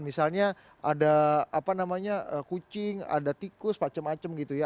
misalnya ada apa namanya kucing ada tikus macem macem gitu ya